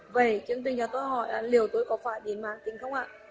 vậy chương trình cho tôi hỏi liệu tôi có phải đi mạng tính không ạ